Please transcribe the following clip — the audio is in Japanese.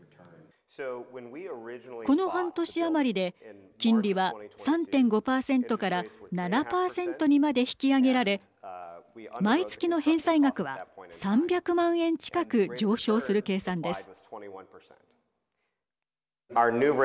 この半年余りで金利は３．５％から７％にまで引き上げられ毎月の返済額は３００万円近く上昇する計算です。